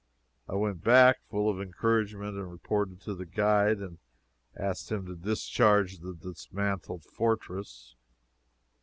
I went back, full of encouragement, and reported to the guide, and asked him to discharge this dismantled fortress.